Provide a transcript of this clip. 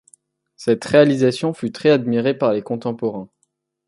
Cette réalisation fut très admirée par les contemporains.